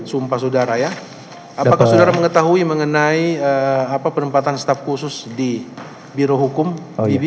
sumpah saudara ya apakah saudara mengetahui mengenai penempatan staf khusus di birohukum bibi